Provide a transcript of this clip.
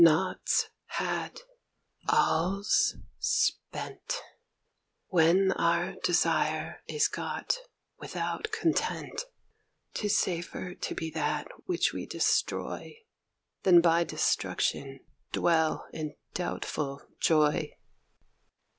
"Nought's had, all's spent, When our desire is got without content; 'Tis safer to be that which we destroy, Than by destruction dwell in doubtful joy."